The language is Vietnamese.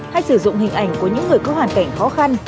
hay sử dụng hình ảnh của những người có hoàn cảnh khó khăn